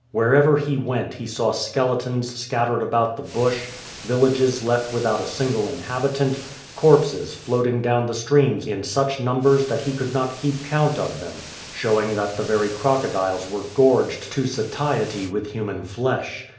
Wherever he went he saw skeletons scattered about the bush, villages left without a single inhabitant, corpses floating down the streams in such numbers that he could not keep count of them — showing that the very crocodiles were gorged to satiety with human flesh.